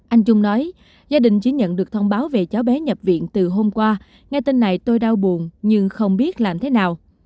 anh trung nói gia đình chỉ nhận được thông báo về cháu bé nhập viện từ hôm qua nghe tin này tôi đau buồn nhưng không biết làm thế nào